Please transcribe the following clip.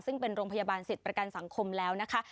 ซึ่งเป็นโรงพยาบาลสิทธิ์ประกันสังคมแล้วนะคะ